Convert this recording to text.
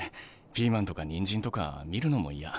ピーマンとかニンジンとか見るのも嫌。